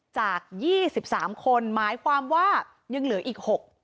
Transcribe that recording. จาก๒๓คนหมายความว่ายังเหลืออีก๖